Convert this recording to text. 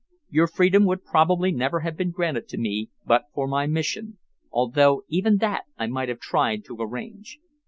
Your freedom would probably never have been granted to me but for my mission, although even that I might have tried to arrange.